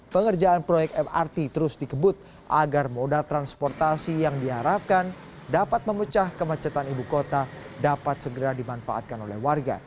pengerjaan proyek mrt terus dikebut agar moda transportasi yang diharapkan dapat memecah kemacetan ibu kota dapat segera dimanfaatkan oleh warga